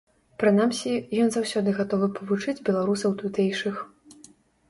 Прынамсі, ён заўсёды гатовы павучыць беларусаў тутэйшых.